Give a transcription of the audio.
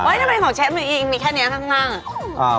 เฮ้ยทำไมของเชฟมีแค่นี้ข้าง